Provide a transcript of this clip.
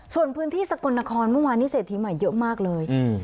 ส่วนพื้นที่สกลนครเมื่อวานนี้เศรษฐีใหม่เยอะมากเลย